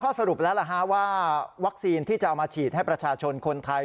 สรุปแล้วว่าวัคซีนที่จะเอามาฉีดให้ประชาชนคนไทย